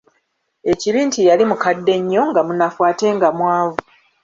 Ekibi nti yali mukadde nnyo, nga munafu ate nga mwavu.